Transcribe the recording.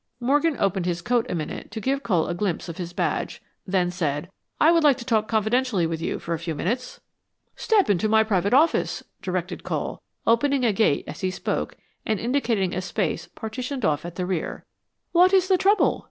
Morgan opened his coat a minute to give Cole a glimpse of his badge; then said, "I would like to talk confidentially with you for a few minutes." "Step into my private office," directed Cole, opening a gate as he spoke, and indicating a space partitioned off at the rear. "What is the trouble?"